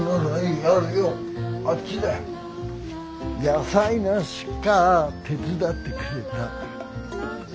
野菜の出荷手伝ってくれたら。